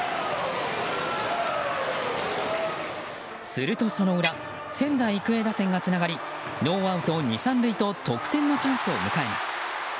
するとその裏仙台育英打線がつながりノーアウト２、３塁と得点のチャンスを迎えます。